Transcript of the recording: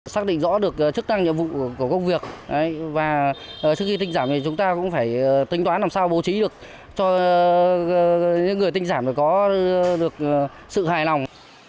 xác định rõ được chức năng nhiệm vụ của công việc và trước khi tinh giảm thì chúng ta cũng phải tính toán làm sao bố trí được cho những người tinh giản có được sự hài lòng